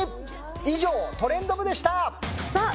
以上トレンド部でしたさあ